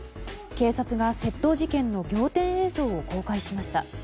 警察が窃盗事件の仰天映像を公開しました。